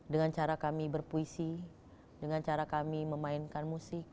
dengan cara kami berpuisi dengan cara kami memainkan musik